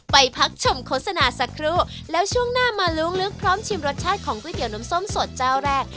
ไปพักชมโฆษณาสักครู่แล้วช่วงหน้ามาล้วงลึกพร้อมชิมรสชาติของก๋วยเตี๋ยน้ำส้มสดเจ้าแรก